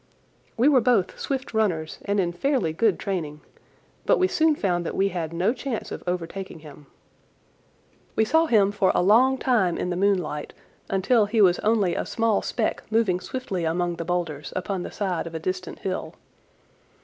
We were both swift runners and in fairly good training, but we soon found that we had no chance of overtaking him. We saw him for a long time in the moonlight until he was only a small speck moving swiftly among the boulders upon the side of a distant hill.